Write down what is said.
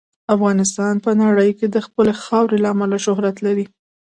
افغانستان په نړۍ کې د خپلې خاورې له امله شهرت لري.